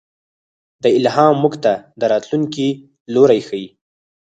دا الهام موږ ته د راتلونکي لوری ښيي.